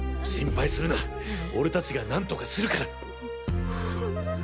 心配するな俺達が何とかするから！